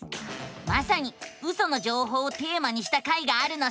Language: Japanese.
まさにウソの情報をテーマにした回があるのさ！